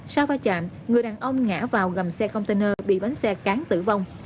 sau va chạm người đàn ông ngã vào gầm xe container bị bánh xe cán tử vong